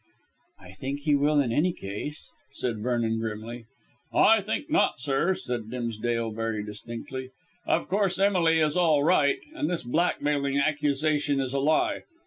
"I think he will in any case?" said Vernon grimly. "I think not, sir," said Dimsdale very distinctly. "Of course, Emily is all right, and this blackmailing accusation is a lie.